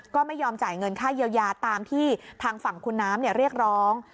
ก็ไม่ยอมจ่ายเงินค่าเยียวยาตามที่ทางฝั่งคุณน้ำเรียกร้อง